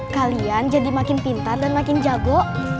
kalian jadi makin pintar dan makin jago